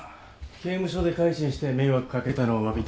刑務所で改心して迷惑掛けたのをわびたとか？